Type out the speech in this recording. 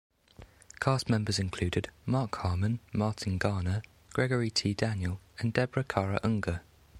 Cast members included Mark Harmon, Martin Garner, Gregory T. Daniel, and Deborah Kara Unger.